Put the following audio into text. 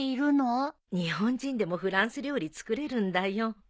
日本人でもフランス料理作れるんだよ。